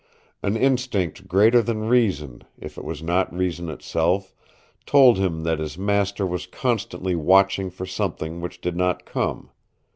An instinct greater than reason, if it was not reason itself, told him that his master was constantly watching for something which did not come.